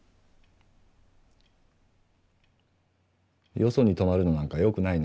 よそに泊まるのなんかよくないね。